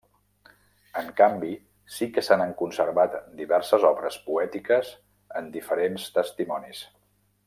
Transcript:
En canvi sí que se n'han conservat diverses obres poètiques, en diferents testimonis.